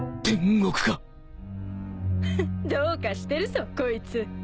フッどうかしてるぞこいつ。